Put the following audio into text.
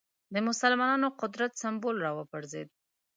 د مسلمانانو قدرت سېمبول راوپرځېد